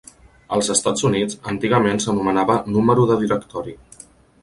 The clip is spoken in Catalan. Als Estats Units, antigament s'anomenava "número de directori".